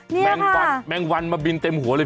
นี่ค่ะแมงวันมาบินเต็มหัวเลย